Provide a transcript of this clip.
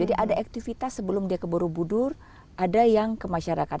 jadi ada aktivitas sebelum dia ke borobudur ada yang ke masyarakat